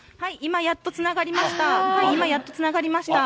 今、やっとつながりました。